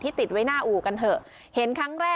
ทิ้นเตรียมไว้หน้าอู่กันเถอะ